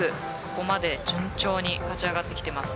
ここまで順調に勝ち上がってきています。